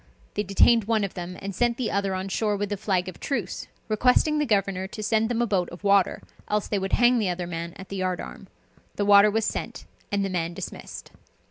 They detained one of them, and sent the other on shore with a flag of truce, requesting the governor to send them a boat of water, else they would hang the other man at the yard arm. The water was sent, and the man dismissed.